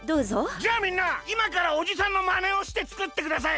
じゃあみんないまからおじさんのまねをしてつくってください。